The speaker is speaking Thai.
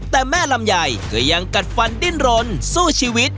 แต่แม่ลำไยก็ยังกัดฟันดิ้นรนสู้ชีวิต